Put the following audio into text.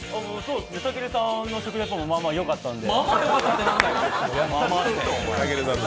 たけるさんの食レポもまあまあよかったんで。